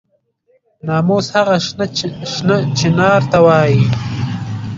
ناموس هغه شنه چنار ته وایي.